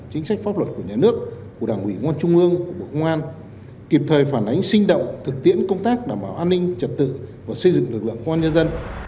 chính sách pháp luật của nhà nước của đảng ủy quan trung ương bộ công an kịp thời phản ánh sinh động thực tiễn công tác đảm bảo an ninh trật tự và xây dựng lực lượng công an nhân dân